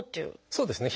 そうですね。